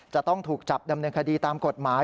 จะต้องถูกจับดำเนินคดีตามกฎหมาย